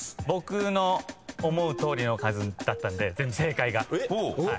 僕の思うとおりの数だったんで全部正解が。